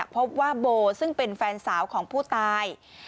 พบว่าโบซึ่งเป็นแฟนสาวของผู้ตาย